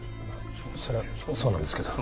それはそうなんですけど。